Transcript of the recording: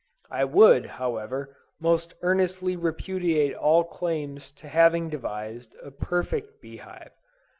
I would, however, most earnestly repudiate all claims to having devised a "perfect bee hive."